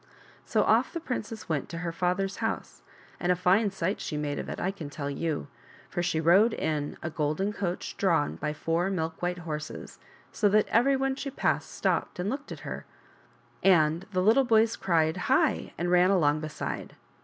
So off the princess went to her father's house, and a fine sight she made of it, I can tell you ; for she rode in a golden coach drawn by four milk white horses, so that every one she passed stopped and looked after her, and the little boys cried " Hi !'* and ran along beside.